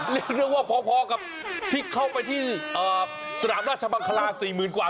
เรียกได้ว่าพอกับที่เข้าไปที่สนามราชมังคลา๔๐๐๐กว่า